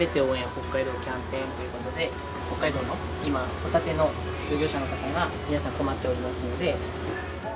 北海道キャンペーンということで、北海道の今、ホタテの漁業者の方が皆さん、困っておりますので。